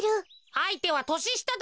あいてはとししただろ。